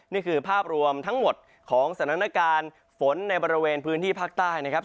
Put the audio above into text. นี่คือภาพรวมทั้งหมดของสถานการณ์ฝนในบริเวณพื้นที่ภาคใต้นะครับ